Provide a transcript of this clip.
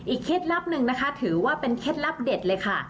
เคล็ดลับหนึ่งนะคะถือว่าเป็นเคล็ดลับเด็ดเลยค่ะ